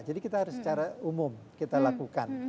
jadi kita harus secara umum kita lakukan